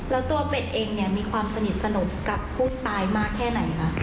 แล้วตัวเป็ดเองมีความสนิทสนุกกับผู้ตายมาแค่ไหนครับ